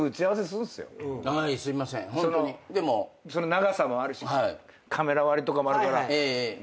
長さもあるしカメラ割りとかもあるから。